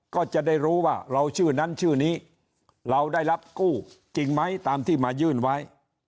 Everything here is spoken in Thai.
ก็จะได้รู้ว่าเราชื่อนั้นชื่อนี้เราได้รับกู้จริงไหมตามที่มายื่นไว้